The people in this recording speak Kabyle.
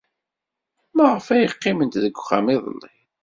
Maɣef ay qqiment deg uxxam iḍelli?